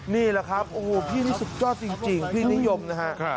นี่แหละครับโอ้โหพี่นี่สุดยอดจริงพี่นิยมนะฮะ